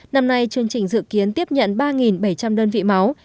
năm nay chương trình dự kiến tiếp nhận ba bảy trăm linh đơn vị máu